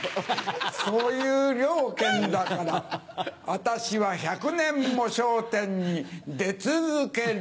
そういう了見だから私は１００年も『笑点』に出続ける。